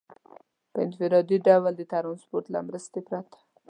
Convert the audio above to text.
په انفرادي ډول د ټرانسپورټ له مرستې پرته.